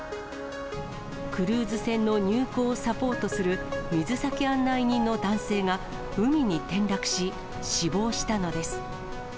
クルーズ船の入港をサポートする水先案内人の男性が、海に転落し、死亡したのです。